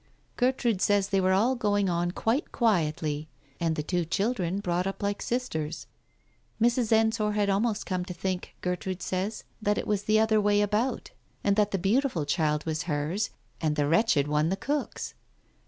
..... Gertrude says they were all going on quite quietly, and the two children brought up like sisters. ... Mrs. Ensor had almost come to think, Gertrude says, that it was the other way about, and that the beautiful child was hers, and the wretched one the cook's.